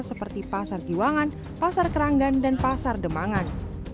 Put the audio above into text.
seperti pasar giwangan pasar keranggan dan pasar demangan